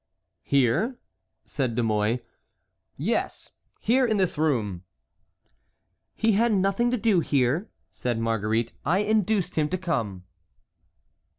"Here?" said De Mouy. "Yes, here, in this room," repeated Henry. "He had nothing to do here," said Marguerite; "I induced him to come."